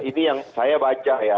ini yang saya baca ya